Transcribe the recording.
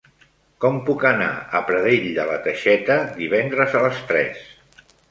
Com puc anar a Pradell de la Teixeta divendres a les tres?